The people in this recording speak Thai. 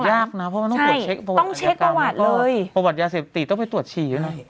เพราะมันต้องตรวจเช็กประวัติต้องเช็กประวัติเลยประวัติยาเสพติต้องไปตรวจชี